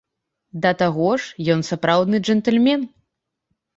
Да таго ж, ён сапраўдны джэнтльмен!